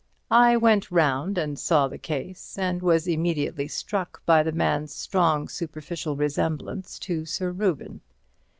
I went round and saw the case, and was immediately struck by the man's strong superficial resemblance to Sir Reuben.